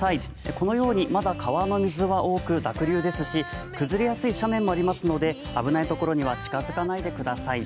このようにまだ川の水は多く濁流ですし、崩れやすい斜面もありますので、危ないところには近づかないでください。